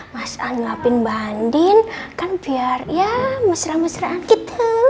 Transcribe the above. mas an lapin mbak andien kan biar ya mesra mesraan gitu